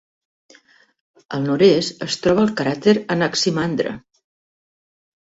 Al nord-oest es troba el cràter Anaximandre.